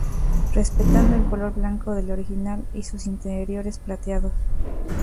Respetando el color blanco del original y sus interiores plateados.